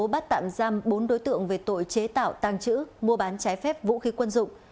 bắt tạm giam bốn đối tượng về tội chế tạo tàng trữ mua bán trái phép vũ khí quân dụng